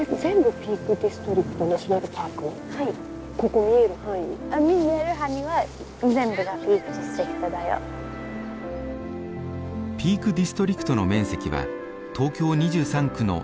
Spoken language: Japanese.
ピークディストリクトの面積は東京２３区の２倍以上あります。